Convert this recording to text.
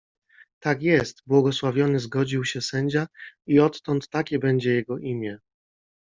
Tak jest, błogosławiony zgodził się sędzia. - I odtąd takie będzie jego imię.